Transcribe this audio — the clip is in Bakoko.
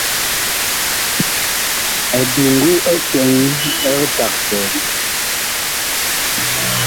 Eduŋgu ɛ cɛŋ ɛg tagsɛɛ ma.